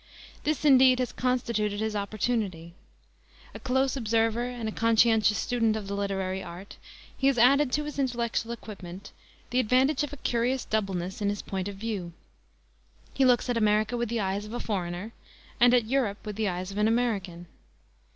This, indeed, has constituted his opportunity. A close observer and a conscientious student of the literary art, he has added to his intellectual equipment the advantage of a curious doubleness in his point of view. He looks at America with the eyes of a foreigner and at Europe with the eyes of an American.